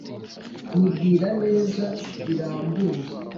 nyibwira neza birambuye,